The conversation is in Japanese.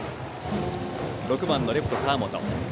６番レフト、川元。